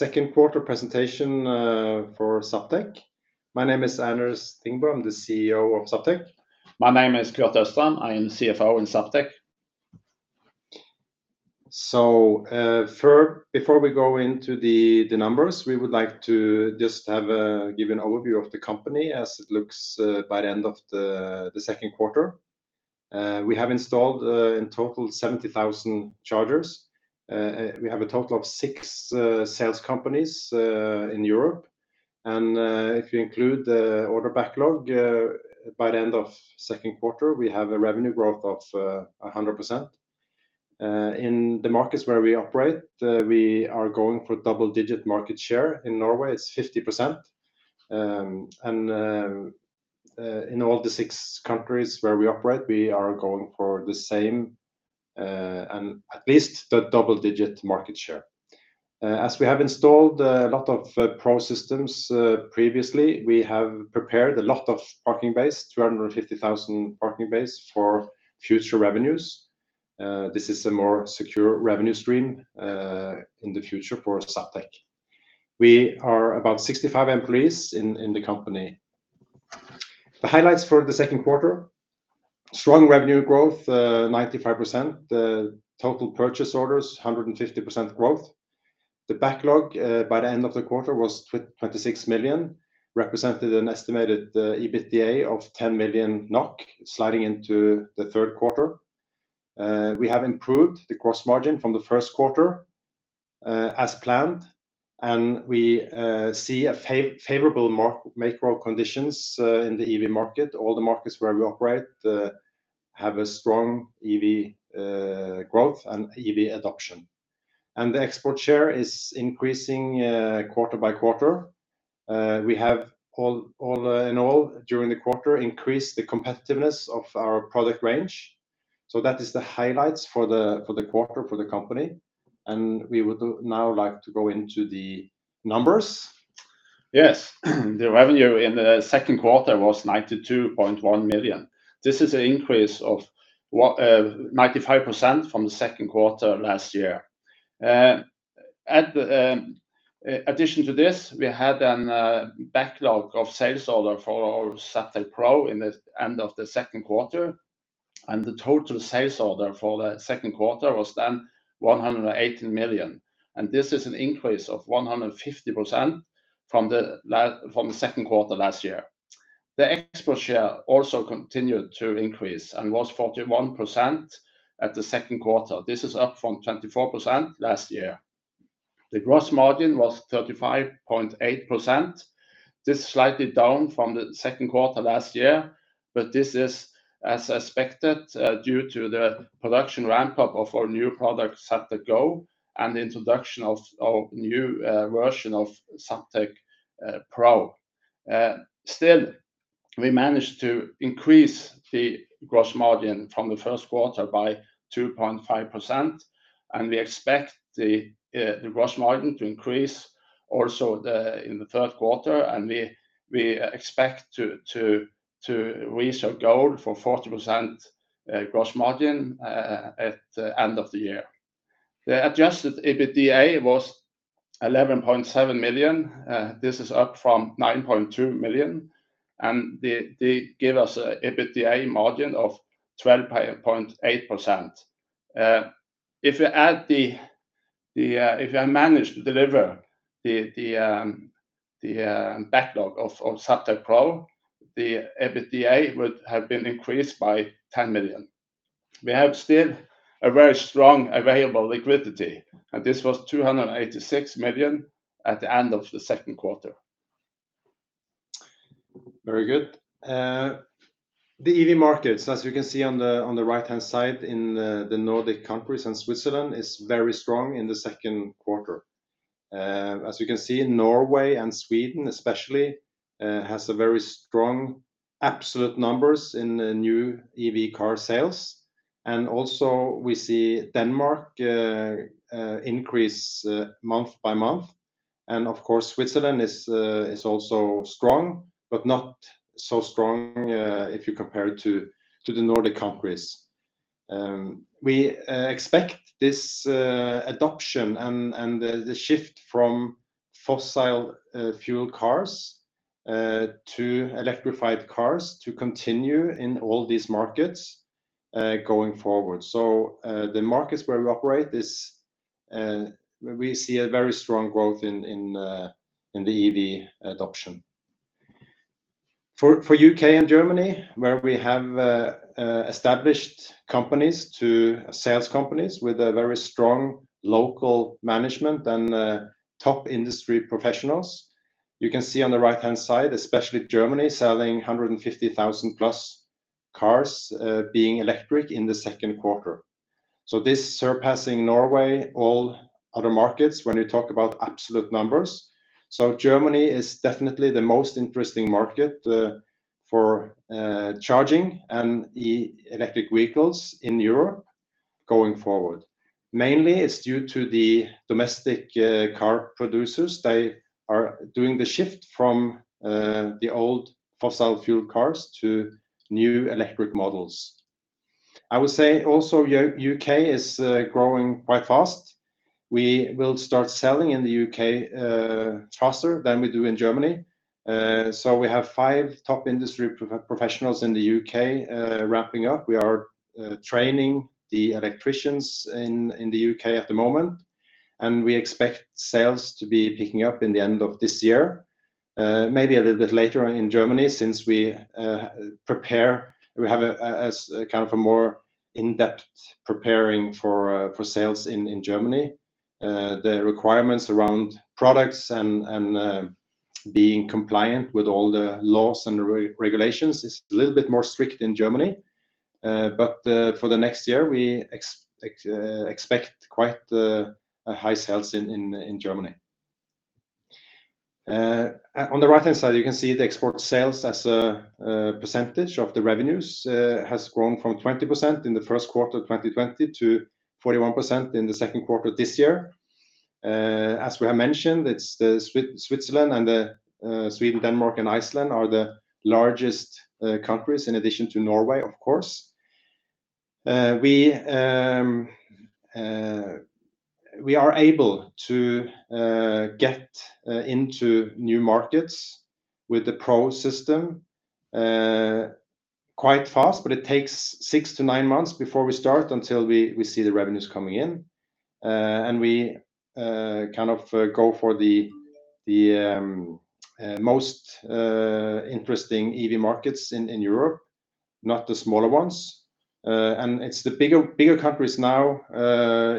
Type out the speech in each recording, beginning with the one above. Second quarter presentation for Zaptec. My name is Anders Thingbø. I'm the CEO of Zaptec. My name is Kurt Østrem. I am CFO in Zaptec. Before we go into the numbers, we would like to just give an overview of the company as it looks by the end of the second quarter. We have installed in total 70,000 chargers. We have a total of six sales companies in Europe. If you include the order backlog, by the end of second quarter, we have a revenue growth of 100%. In the markets where we operate, we are going for double-digit market share. In Norway, it's 50%. In all the six countries where we operate, we are going for the same, and at least the double-digit market share. As we have installed a lot of Pro systems previously, we have prepared a lot of parking bays, 250,000 parking bays for future revenues. This is a more secure revenue stream in the future for Zaptec. We are about 65 employees in the company. The highlights for the second quarter, strong revenue growth, 95%. The total purchase orders, 150% growth. The backlog by the end of the quarter was 26 million, represented an estimated EBITDA of 10 million NOK sliding into the third quarter. We have improved the gross margin from the first quarter as planned, we see a favorable macro conditions in the EV market. All the markets where we operate have a strong EV growth and EV adoption. The export share is increasing quarter by quarter. We have all in all during the quarter increased the competitiveness of our product range. That is the highlights for the quarter for the company. We would now like to go into the numbers. The revenue in the second quarter was 92.1 million. This is an increase of 95% from the second quarter last year. Addition to this, we had an backlog of sales order for our Zaptec Pro in the end of the second quarter, and the total sales order for the second quarter was then 118 million. This is an increase of 150% from the second quarter last year. The export share also continued to increase and was 41% at the second quarter. This is up from 24% last year. The gross margin was 35.8%. This is slightly down from the second quarter last year, this is as expected due to the production ramp-up of our new product Zaptec Go and the introduction of new version of Zaptec Pro. Still, we managed to increase the gross margin from the first quarter by 2.5%. We expect the gross margin to increase also in the third quarter. We expect to reach our goal for 40% gross margin at the end of the year. The adjusted EBITDA was 11.7 million. This is up from 9.2 million, they give us an EBITDA margin of 12.8%. If you manage to deliver the backlog of Zaptec Pro, the EBITDA would have been increased by 10 million. We have still a very strong available liquidity, this was 286 million at the end of the second quarter. Very good. The EV markets, as you can see on the right-hand side in the Nordic countries and Switzerland, is very strong in the second quarter. As you can see, Norway and Sweden especially has a very strong absolute numbers in the new EV car sales. Also we see Denmark increase month by month. Of course, Switzerland is also strong, but not so strong if you compare it to the Nordic countries. We expect this adoption and the shift from fossil fuel cars to electrified cars to continue in all these markets going forward. The markets where we operate, we see a very strong growth in the EV adoption. For U.K. and Germany, where we have established companies to sales companies with a very strong local management and top industry professionals. You can see on the right-hand side, especially Germany selling 150,000+ cars being electric in the second quarter. This surpassing Norway, all other markets when you talk about absolute numbers. Germany is definitely the most interesting market for charging and electric vehicles in Europe going forward. Mainly it's due to the domestic car producers. They are doing the shift from the old fossil fuel cars to new electric models. I would say also U.K. is growing quite fast. We will start selling in the U.K. faster than we do in Germany. We have five top industry professionals in the U.K. wrapping up. We are training the electricians in the U.K. at the moment, and we expect sales to be picking up in the end of this year. Maybe a little bit later in Germany since we have a more in-depth preparing for sales in Germany. The requirements around products and being compliant with all the laws and regulations is a little bit more strict in Germany. For the next year, we expect quite high sales in Germany. On the right-hand side, you can see the export sales as a percentage of the revenues has grown from 20% in the first quarter of 2020 to 41% in the second quarter of this year. As we have mentioned, it's the Switzerland and the Sweden, Denmark, and Iceland are the largest countries in addition to Norway, of course. We are able to get into new markets with the Pro system quite fast, but it takes six and nine months before we start until we see the revenues coming in. We go for the most interesting EV markets in Europe, not the smaller ones. It's the bigger countries now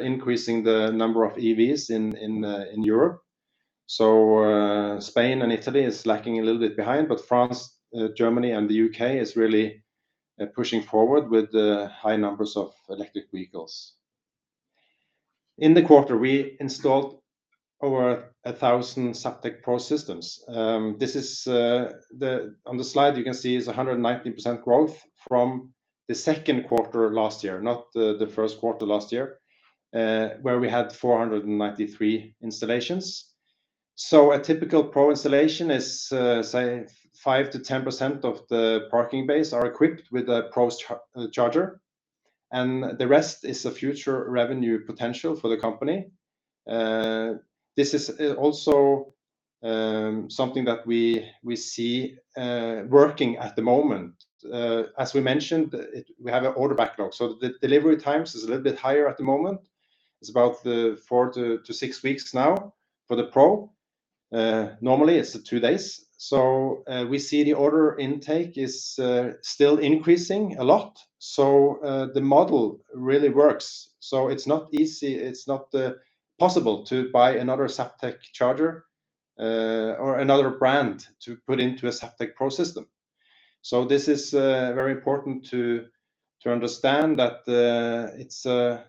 increasing the number of EVs in Europe. Spain and Italy is lacking a little bit behind, but France, Germany, and the U.K. is really pushing forward with high numbers of electric vehicles. In the quarter, we installed over 1,000 Zaptec Pro systems. On the slide, you can see is 119% growth from the second quarter last year, not the first quarter last year, where we had 493 installations. A typical Pro installation is, say, 5%-10% of the parking bays are equipped with a Pro charger, and the rest is a future revenue potential for the company. This is also something that we see working at the moment. As we mentioned, we have an order backlog, the delivery times is a little bit higher at the moment. It's about four to six weeks now for the Pro. Normally, it's two days. We see the order intake is still increasing a lot. The model really works. It's not easy, it's not possible to buy another Zaptec charger or another brand to put into a Zaptec Pro system. This is very important to understand that it's a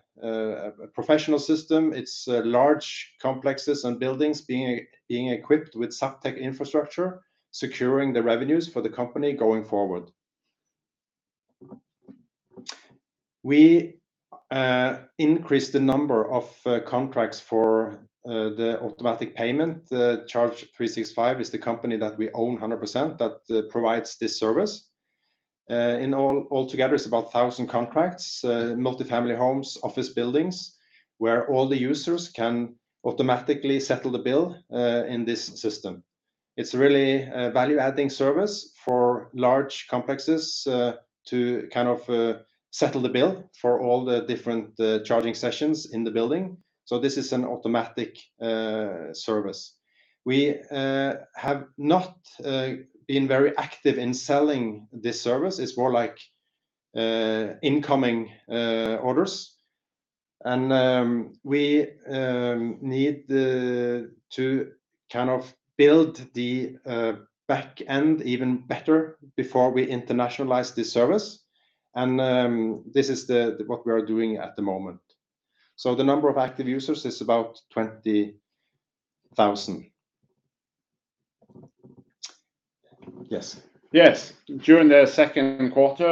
professional system. It's large complexes and buildings being equipped with Zaptec infrastructure, securing the revenues for the company going forward. We increased the number of contracts for the automatic payment. Charge365 is the company that we own 100% that provides this service. In all together, it's about 1,000 contracts, multi-family homes, office buildings, where all the users can automatically settle the bill in this system. It's really a value-adding service for large complexes to settle the bill for all the different charging sessions in the building. This is an automatic service. We have not been very active in selling this service. It's more like incoming orders. We need to build the back end even better before we internationalize this service. This is what we are doing at the moment. The number of active users is about 20,000. Yes? Yes. During the second quarter,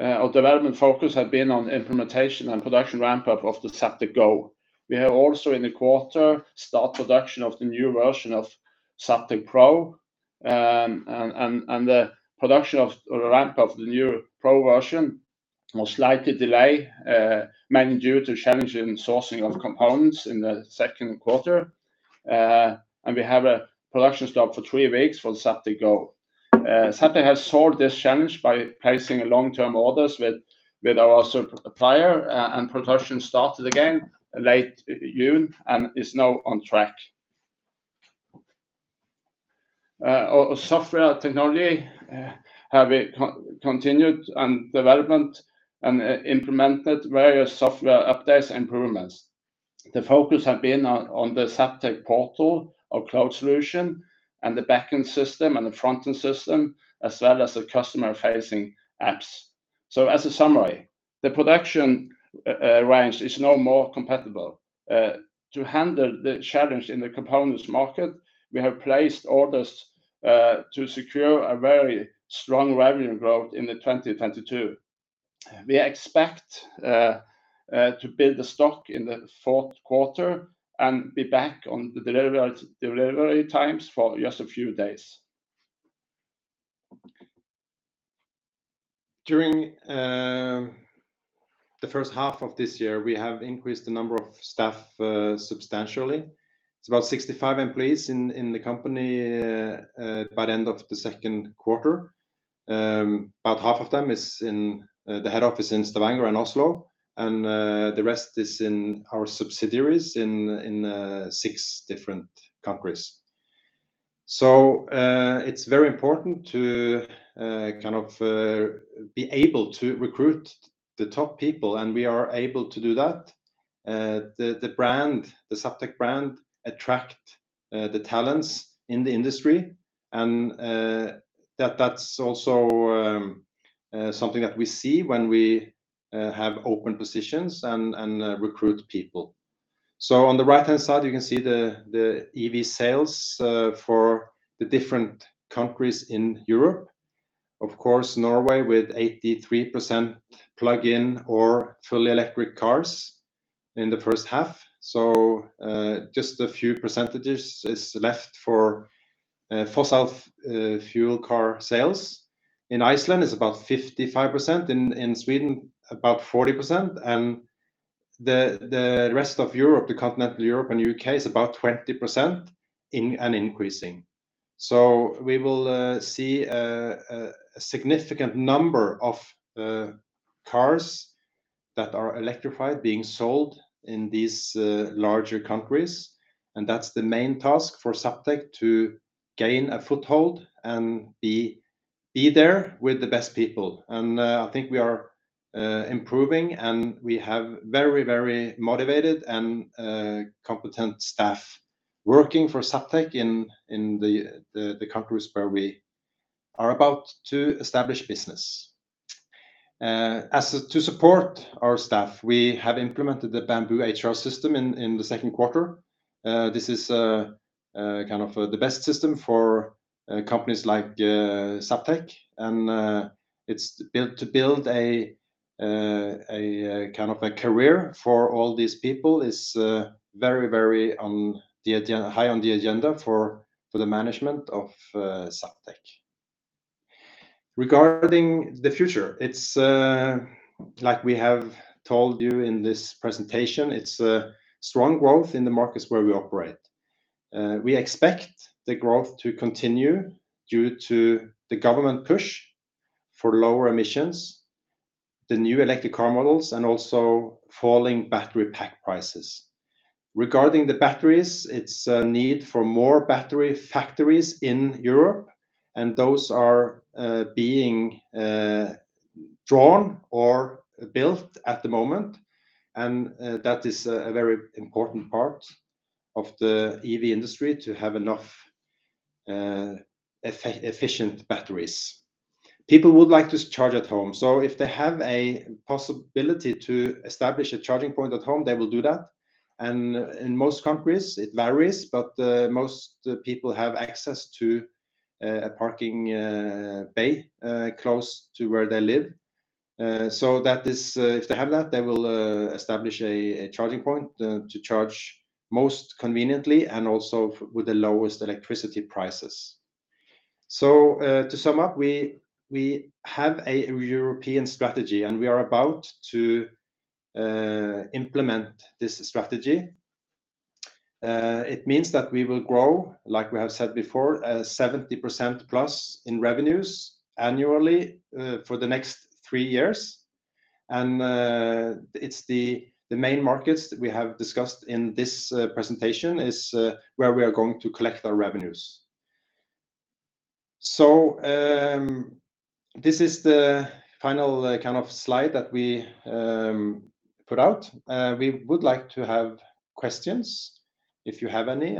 our development focus had been on implementation and production ramp-up of the Zaptec Go. We have also in the quarter start production of the new version of Zaptec Pro, and the production of or ramp of the new Pro version was slightly delayed mainly due to challenges in sourcing of components in the second quarter. We have a production stop for three weeks for Zaptec Go. Zaptec has solved this challenge by placing long-term orders with our supplier, and production started again late June and is now on track. Our software technology have continued on development and implemented various software updates improvements. The focus had been on the Zaptec Portal, our cloud solution, and the back-end system and the front-end system, as well as the customer-facing apps. As a summary, the production range is now more compatible. To handle the challenge in the components market, we have placed orders to secure a very strong revenue growth into 2022. We expect to build the stock in the fourth quarter and be back on the delivery times for just a few days. During the first half of this year, we have increased the number of staff substantially. It's about 65 employees in the company by the end of the second quarter. About half of them is in the head office in Stavanger and Oslo, and the rest is in our subsidiaries in six different countries. It's very important to be able to recruit the top people, and we are able to do that. The Zaptec brand attract the talents in the industry, and that's also something that we see when we have open positions and recruit people. On the right-hand side, you can see the EV sales for the different countries in Europe. Of course, Norway with 83% plug-in or fully electric cars in the first half. Just a few percentages is left for fossil fuel car sales. In Iceland, it's about 55%, in Sweden about 40%, and the rest of Europe, the continental Europe and U.K. is about 20% and increasing. We will see a significant number of cars that are electrified being sold in these larger countries, and that's the main task for Zaptec to gain a foothold and be there with the best people. I think we are improving, and we have very motivated and competent staff working for Zaptec in the countries where we are about to establish business. To support our staff, we have implemented the BambooHR system in the second quarter. This is the best system for companies like Zaptec, and to build a career for all these people is very high on the agenda for the management of Zaptec. Regarding the future, it's like we have told you in this presentation, it's a strong growth in the markets where we operate. We expect the growth to continue due to the government push for lower emissions, the new electric car models, and also falling battery pack prices. Regarding the batteries, it's a need for more battery factories in Europe, and those are being drawn or built at the moment. That is a very important part of the EV industry to have enough efficient batteries. People would like to charge at home. If they have a possibility to establish a charging point at home, they will do that. In most countries it varies, but most people have access to a parking bay close to where they live. If they have that, they will establish a charging point to charge most conveniently and also with the lowest electricity prices. To sum up, we have a European strategy and we are about to implement this strategy. It means that we will grow, like we have said before, 70%+ in revenues annually for the next three years. It's the main markets that we have discussed in this presentation is where we are going to collect our revenues. This is the final slide that we put out. We would like to have questions if you have any.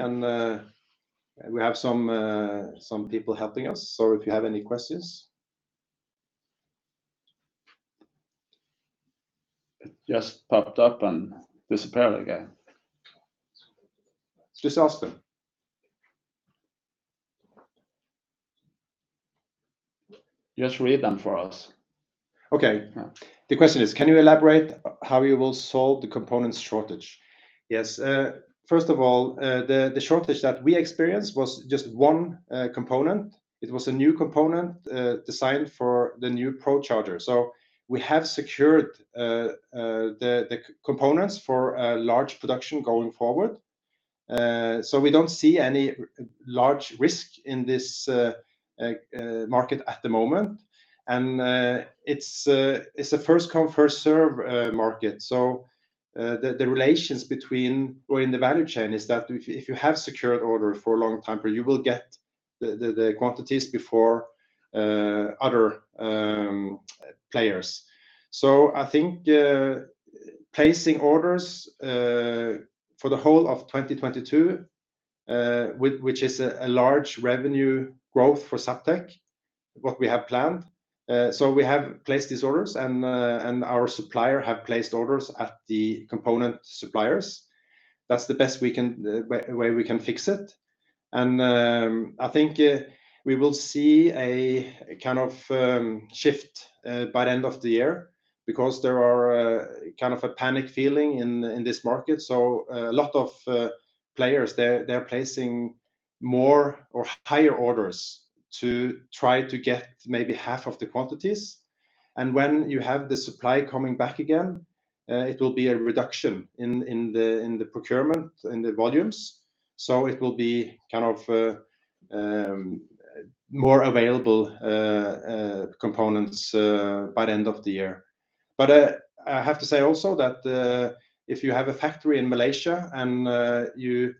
We have some people helping us. If you have any questions. It just popped up and disappeared again. Just ask them. Just read them for us. Okay. The question is, can you elaborate how you will solve the components shortage? Yes. First of all, the shortage that we experienced was just one component. It was a new component designed for the new Pro charger. We have secured the components for large production going forward. We don't see any large risk in this market at the moment. It's a first come, first serve market. The relations between in the value chain is that if you have secured order for a long time period, you will get the quantities before other players. I think placing orders for the whole of 2022 which is a large revenue growth for Zaptec, what we have planned. We have placed these orders and our supplier have placed orders at the component suppliers. That's the best way we can fix it. I think we will see a kind of shift by the end of the year because there is kind of a panic feeling in this market. A lot of players, they're placing more or higher orders to try to get maybe half of the quantities. When you have the supply coming back again, it will be a reduction in the procurement, in the volumes. It will be more available components by the end of the year. I have to say also that if you have a factory in Malaysia and you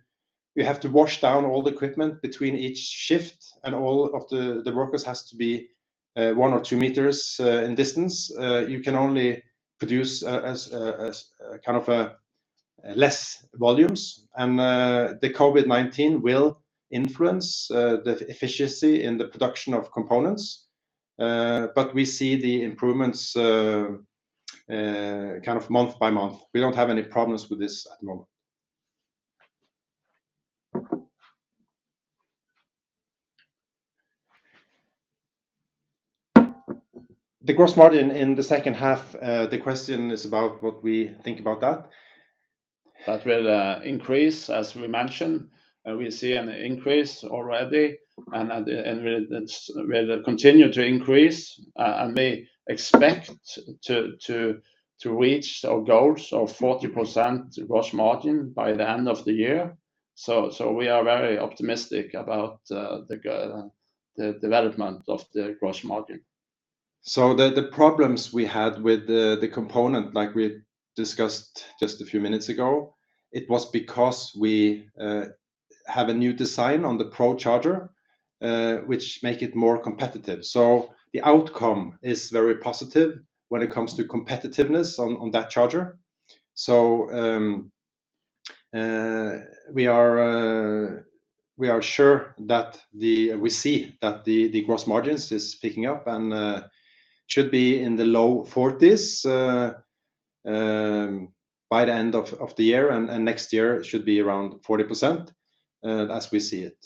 have to wash down all the equipment between each shift and all of the workers have to be one or two meters in distance, you can only produce less volumes. The COVID-19 will influence the efficiency in the production of components. We see the improvements kind of month-by-month. We don't have any problems with this at the moment. The gross margin in the second half, the question is about what we think about that. That will increase, as we mentioned. We see an increase already and it will continue to increase and we expect to reach our goals of 40% gross margin by the end of the year. We are very optimistic about the development of the gross margin. The problems we had with the component, like we discussed just a few minutes ago, it was because we have a new design on the Pro charger, which makes it more competitive. The outcome is very positive when it comes to competitiveness on that charger. We are sure that we see that the gross margins is picking up and should be in the low 40s by the end of the year and next year it should be around 40%, as we see it.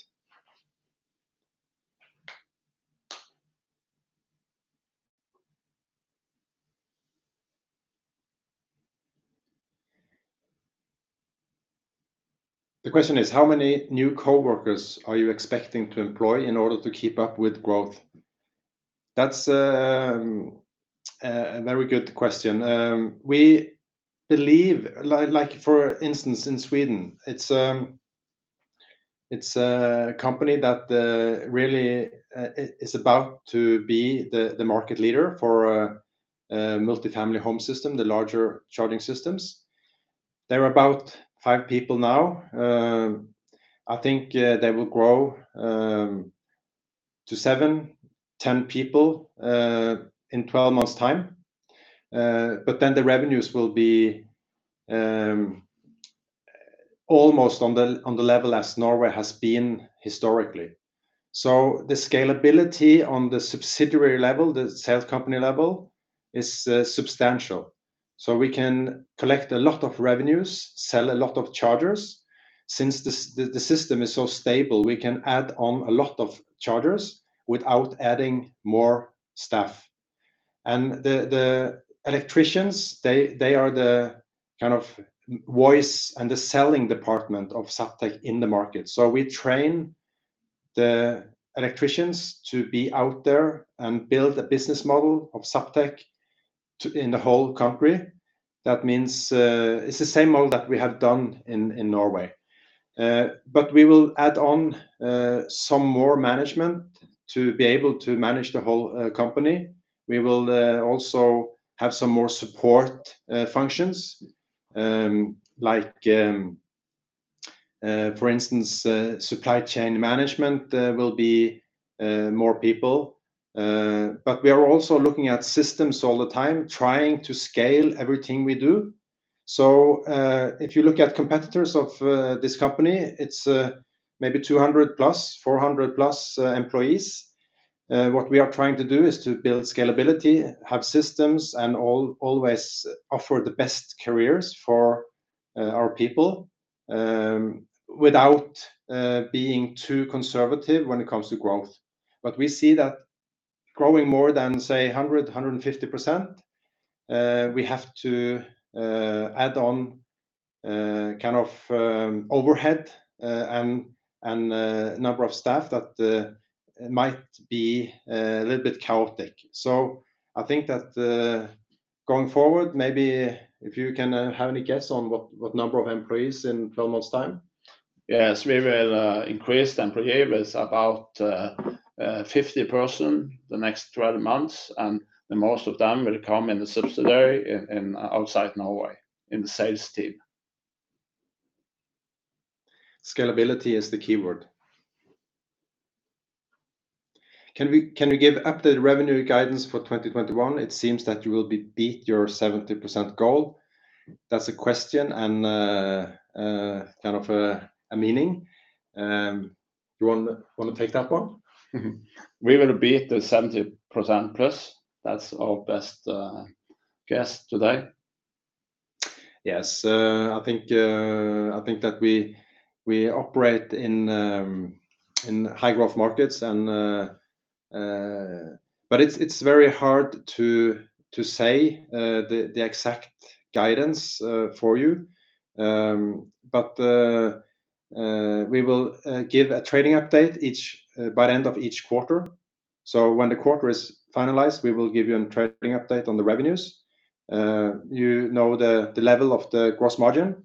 The question is, how many new coworkers are you expecting to employ in order to keep up with growth? That's a very good question. We believe, for instance, in Sweden, it's a company that really is about to be the market leader for multi-family home system, the larger charging systems. They're about five people now. I think they will grow to seven, 10 people in 12 months time. The revenues will be almost on the level as Norway has been historically. The scalability on the subsidiary level, the sales company level, is substantial. We can collect a lot of revenues, sell a lot of chargers. Since the system is so stable, we can add on a lot of chargers without adding more staff. The electricians, they are the voice and the selling department of Zaptec in the market. We train the electricians to be out there and build a business model of Zaptec in the whole country. It's the same model that we have done in Norway. We will add on some more management to be able to manage the whole company. We will also have some more support functions. Like for instance, supply chain management will be more people. We are also looking at systems all the time, trying to scale everything we do. If you look at competitors of this company, it's maybe 200+, 400+ employees. What we are trying to do is to build scalability, have systems, and always offer the best careers for our people without being too conservative when it comes to growth. We see that growing more than, say, 100%-150%, we have to add on overhead and number of staff that might be a little bit chaotic. I think that going forward, maybe if you can have any guess on what number of employees in 12 months' time? Yes, we will increase the employees about 50 person the next 12 months, and the most of them will come in the subsidiary outside Norway in the sales team. Scalability is the keyword. Can we give updated revenue guidance for 2021? It seems that you will beat your 70% goal. That's a question and kind of a meaning. You want to take that one? We will beat the 70%+. That's our best guess today. Yes. I think that we operate in high-growth markets, it's very hard to say the exact guidance for you. We will give a trading update by the end of each quarter. When the quarter is finalized, we will give you a trading update on the revenues. You know the level of the gross margin,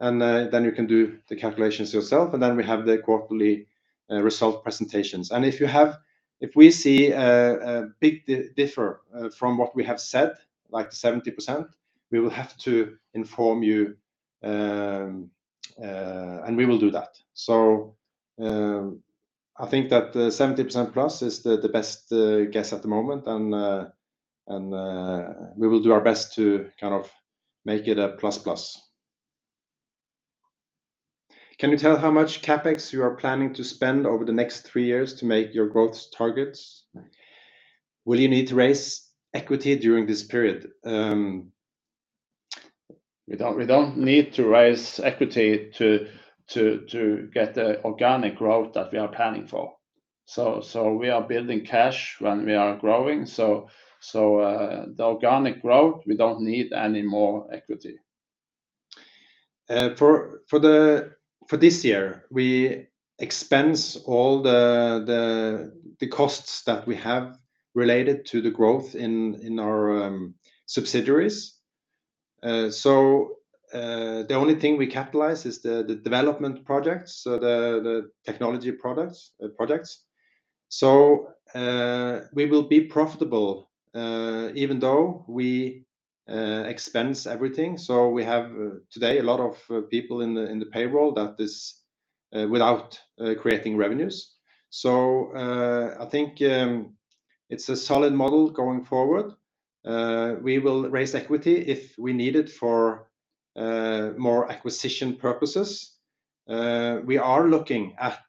then you can do the calculations yourself. Then we have the quarterly result presentations. If we see a big differ from what we have said, like the 70%, we will have to inform you, and we will do that. I think that the 70%+ is the best guess at the moment, and we will do our best to kind of make it a plus plus. "Can you tell how much CapEx you are planning to spend over the next three years to make your growth targets? Will you need to raise equity during this period?" We don't need to raise equity to get the organic growth that we are planning for. We are building cash when we are growing. The organic growth, we don't need any more equity. For this year, we expense all the costs that we have related to the growth in our subsidiaries. The only thing we capitalize is the development projects, so the technology projects. We will be profitable even though we expense everything. We have, today, a lot of people in the payroll without creating revenues. I think it's a solid model going forward. We will raise equity if we need it for more acquisition purposes. We are looking at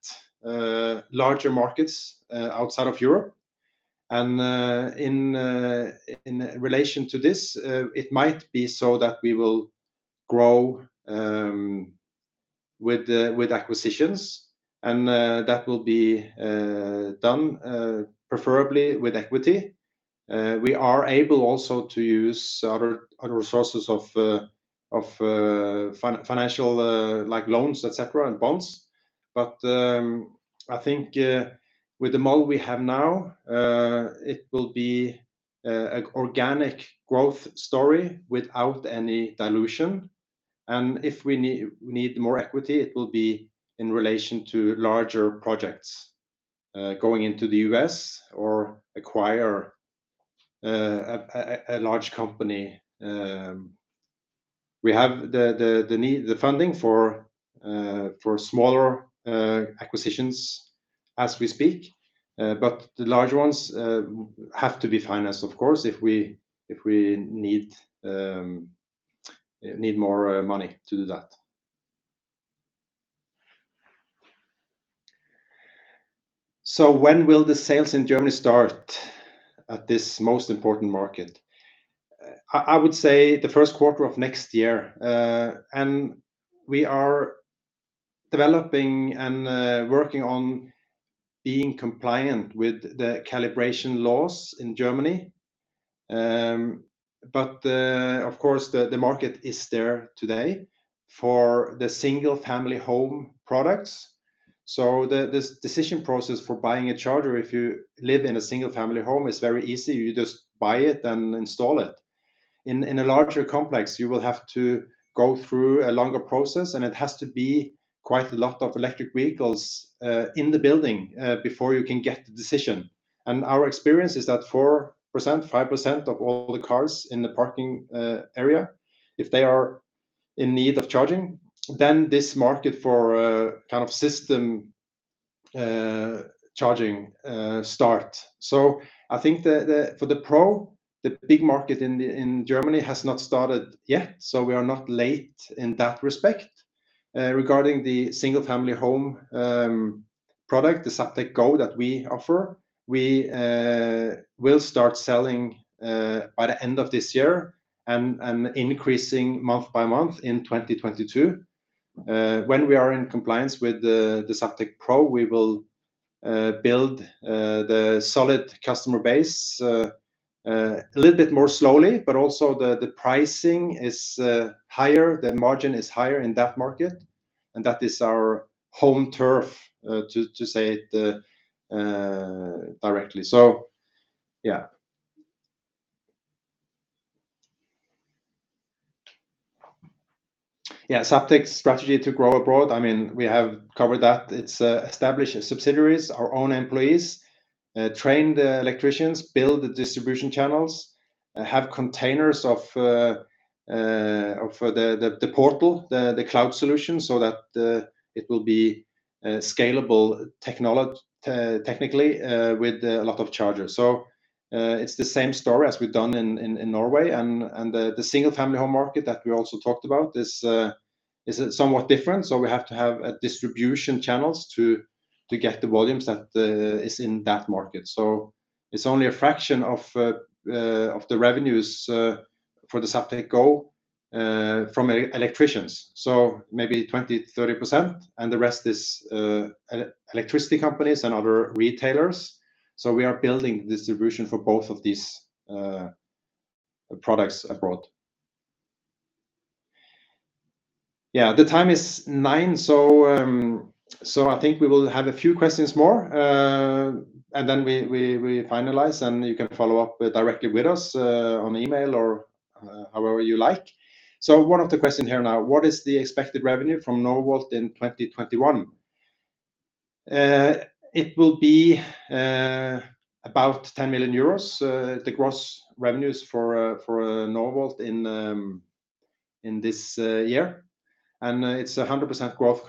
larger markets outside of Europe and in relation to this, it might be so that we will grow with acquisitions and that will be done preferably with equity. We are able also to use other resources of financial loans, et cetera, and bonds. I think with the model we have now, it will be an organic growth story without any dilution. If we need more equity, it will be in relation to larger projects going into the U.S. or acquire a large company. We have the funding for smaller acquisitions as we speak. The larger ones have to be financed, of course, if we need more money to do that. When will the sales in Germany start at this most important market? I would say the first quarter of next year. We are developing and working on being compliant with the calibration laws in Germany. Of course, the market is there today for the single-family home products. The decision process for buying a charger if you live in a single-family home is very easy. You just buy it and install it. In a larger complex, you will have to go through a longer process, and it has to be quite a lot of electric vehicles in the building before you can get the decision. Our experience is that 4%, 5% of all the cars in the parking area, if they are in need of charging, then this market for a kind of system charging start. I think for the Pro, the big market in Germany has not started yet, so we are not late in that respect. Regarding the single-family home product, the Zaptec Go that we offer, we will start selling by the end of this year and increasing month by month in 2022. When we are in compliance with the Zaptec Pro, we will build the solid customer base a little bit more slowly, but also the pricing is higher, the margin is higher in that market, and that is our home turf to say it directly. Zaptec's strategy to grow abroad, we have covered that. It's establish subsidiaries, our own employees, train the electricians, build the distribution channels, have containers for the portal, the cloud solution, so that it will be scalable technically with a lot of chargers. It's the same story as we've done in Norway and the single-family home market that we also talked about. Is it somewhat different? We have to have distribution channels to get the volumes that is in that market. It's only a fraction of the revenues for the Zaptec Go from electricians, maybe 20%-30%, and the rest is electricity companies and other retailers. We are building distribution for both of these products abroad. Yeah, the time is 9:00 A.M., I think we will have a few questions more, and then we finalize, and you can follow up directly with us on email or however you like. One of the questions here now, "What is the expected revenue from NovaVolt in 2021?" It will be about 10 million euros, the gross revenues for NovaVolt in this year. It's 100% growth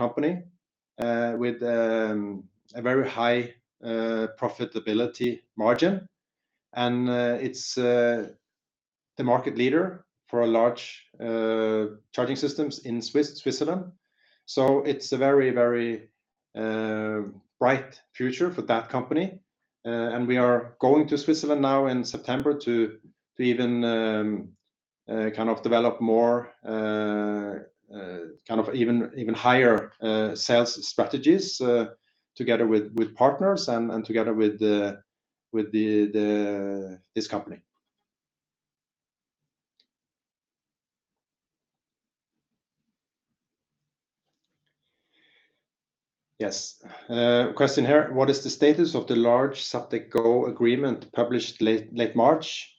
company with a very high profitability margin, and it's the market leader for large charging systems in Switzerland. It's a very bright future for that company. We are going to Switzerland now in September to even develop more even higher sales strategies together with partners and together with this company. Yes. Question here: "What is the status of the large Zaptec Go agreement published late March?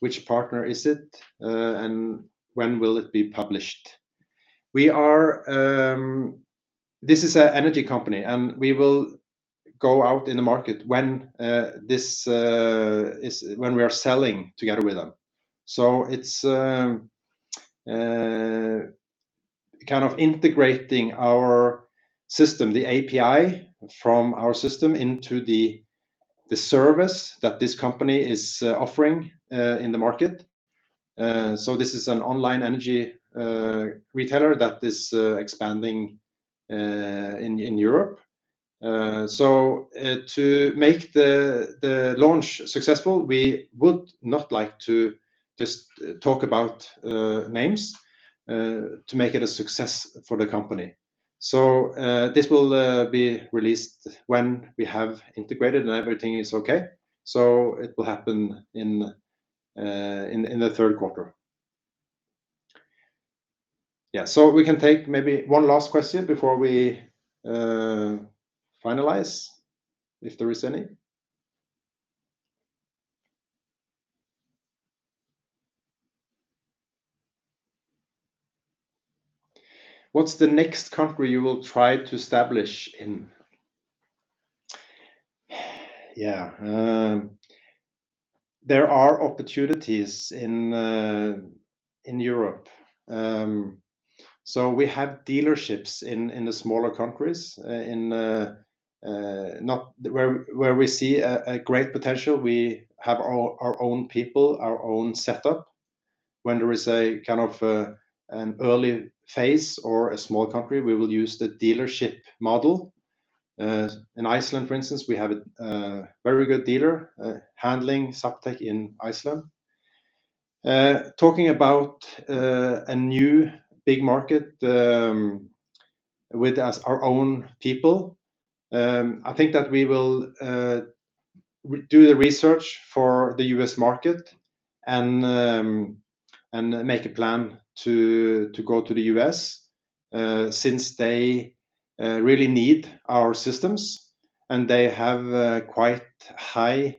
Which partner is it? When will it be published?" This is an energy company. We will go out in the market when we are selling together with them. It's integrating our system, the API from our system into the service that this company is offering in the market. This is an online energy retailer that is expanding in Europe. To make the launch successful, we would not like to just talk about names to make it a success for the company. This will be released when we have integrated and everything is okay. It will happen in the third quarter. Yeah. We can take maybe one last question before we finalize. If there is any. "What's the next country you will try to establish in?" Yeah. There are opportunities in Europe. We have dealerships in the smaller countries where we see a great potential. We have our own people, our own setup. When there is an early phase or a small country, we will use the dealership model. In Iceland, for instance, we have a very good dealer handling Zaptec in Iceland. Talking about a new big market with as our own people, I think that we will do the research for the U.S. market and make a plan to go to the U.S. since they really need our systems and they have quite high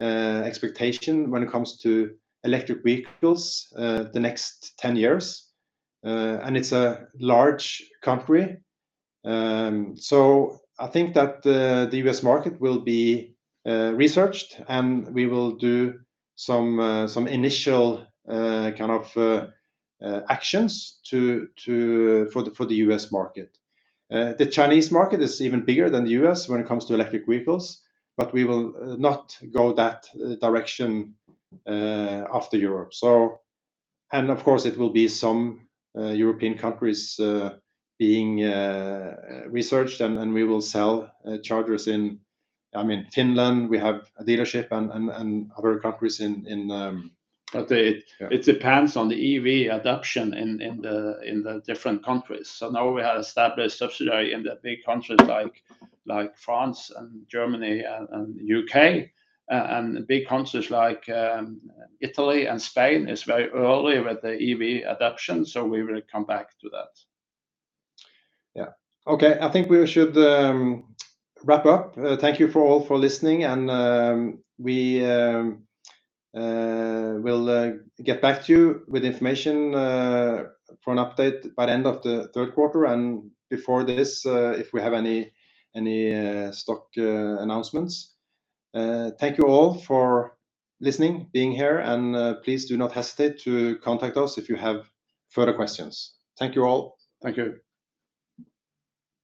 expectation when it comes to electric vehicles the next 10 years. It's a large country. I think that the U.S. market will be researched, and we will do some initial actions for the U.S. market. The Chinese market is even bigger than the U.S. when it comes to electric vehicles, but we will not go that direction after Europe. Of course, it will be some European countries being researched, and we will sell chargers in Finland, we have a dealership and other countries in- It depends on the EV adoption in the different countries. Now we have established subsidiary in the big countries like France and Germany and U.K. Big countries like Italy and Spain is very early with the EV adoption, so we will come back to that. Yeah. Okay. I think we should wrap up. Thank you all for listening, and we'll get back to you with information for an update by the end of the third quarter and before this if we have any stock announcements. Thank you all for listening, being here, and please do not hesitate to contact us if you have further questions. Thank you all. Thank you.